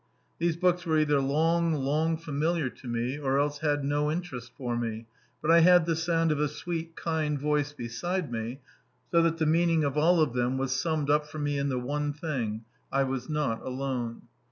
These books were either long, long familiar to me or else had no interest for me, but I had the sound of a sweet, kind voice beside me, so that the meaning of all of them was summed up for me in the one thing I was not alone.